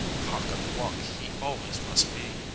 Cock of the walk he always must be.